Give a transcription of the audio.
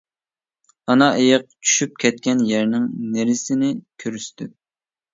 ئانا ئېيىق چۈشۈپ كەتكەن يەرنىڭ نېرىسىنى كۆرسىتىپ.